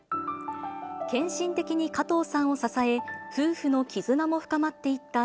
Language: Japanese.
献身的に加藤さんを支え、夫婦の絆も深まっていった